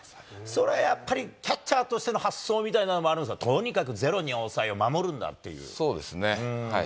それはやっぱり、キャッチャーとしての発想みたいなのもあるんですか、とにかくゼそうですね。